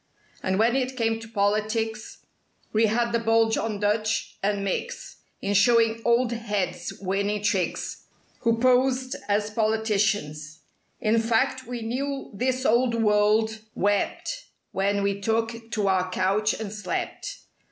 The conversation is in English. And when it came to politics, We had the bulge on Dutch and Micks In showing "old heads" winning tricks— (Who posed as politicans) — In fact we knew this old world wept When we took to our couch and slept.